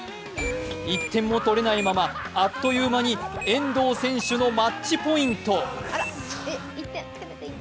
１点も取れないままあっという間に遠藤選手のマッチポイント。